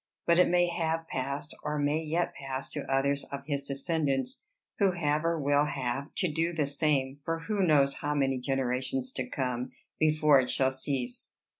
But it may have passed, or may yet pass, to others of his descendants, who have, or will have, to do the same for who knows how many generations to come? before it shall cease.